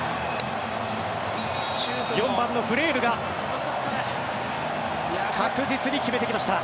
４番のフレールが確実に決めてきました。